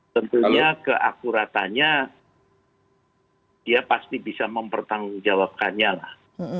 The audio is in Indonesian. tentunya keakuratannya dia pasti bisa mempertanggung jawabkannya lah